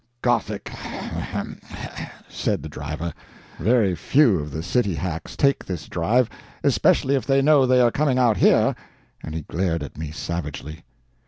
"Gothic h——," said the driver. "Very few of the city hacks take this drive, specially if they know they are coming out here," and he glared at me savagely.